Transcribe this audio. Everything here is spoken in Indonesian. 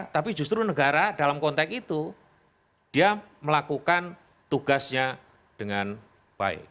tapi justru negara dalam konteks itu dia melakukan tugasnya dengan baik